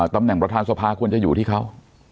ตำแหน่งประธานสภาควรจะอยู่ที่เขา